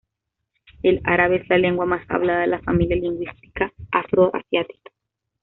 El árabe es la lengua más hablada de la familia lingüística afroasiática.